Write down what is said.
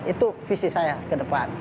itu visi saya kedepan